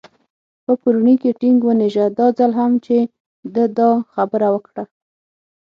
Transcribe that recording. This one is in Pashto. په پوړني کې ټینګ ونېژه، دا ځل هم چې ده دا خبره وکړه.